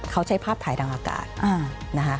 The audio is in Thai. เขาใช้ภาพถ่ายทางอากาศนะคะ